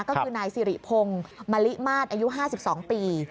ก็คือนายสิริพงศ์มะลิมาตรอายุ๕๒ปี